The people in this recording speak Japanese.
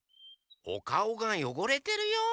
おかおがよごれてるよ。